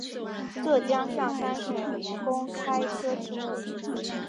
浙江象山县吴公开科之墓